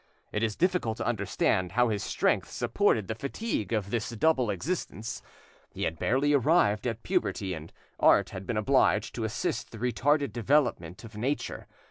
It is difficult to understand how his strength supported the fatigue of this double existence; he had barely arrived at puberty, and art had been obliged to assist the retarded development of nature.